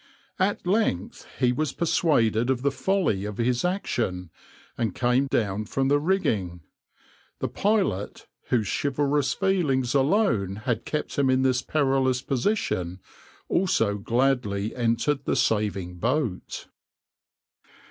At length he was persuaded of the folly of his action, and came down from the rigging. The pilot, whose chivalrous feelings alone had kept him in this perilous position, also gladly entered the saving boat.